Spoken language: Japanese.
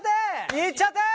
イっちゃってー！